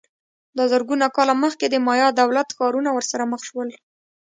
دا زرګونه کاله مخکې د مایا دولت ښارونه ورسره مخ شول